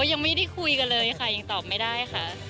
ยังไม่ได้คุยกันเลยค่ะยังตอบไม่ได้ค่ะ